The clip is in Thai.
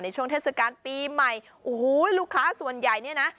ช่วงเทศกาลปีใหม่โอ้โหลูกค้าส่วนใหญ่เนี่ยนะ